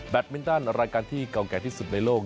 มินตันรายการที่เก่าแก่ที่สุดในโลก